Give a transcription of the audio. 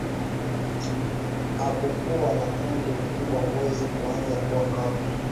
apokuwa na umri mkubwa ngozi kuanza kuwa kavu